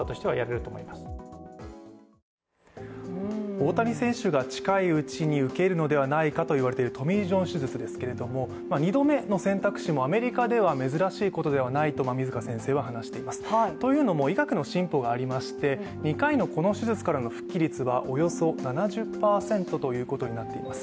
大谷選手が近いうちに受けるのではないかといわれているトミー・ジョン手術ですけれども２度目の選択肢もアメリカでは珍しいことではないと馬見塚先生は話していますというのも、医学の進歩がありまして、２回のこの手術からの復帰率はおよそ７０％ということになっています。